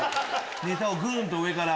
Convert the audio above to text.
ネタをグン！と上から。